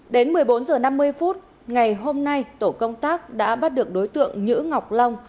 đến một mươi bốn h năm mươi phút ngày hôm nay tổ công tác đã bắt được đối tượng nhữ ngọc long